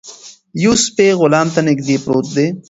یو سپی غلام ته نږدې پروت دی.